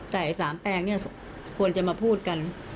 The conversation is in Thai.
แต่ไอ้สามแปลงควรจะมาพูดกัน